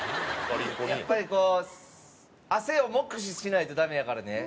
やっぱりこう汗を目視しないとダメやからね。